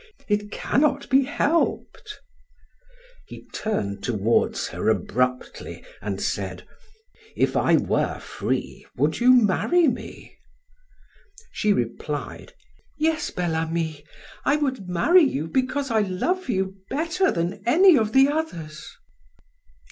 It cannot be helped." He turned toward her abruptly and said: "If I were free would you marry me?" She replied: "Yes, Bel Ami, I would marry you because I love you better than any of the others."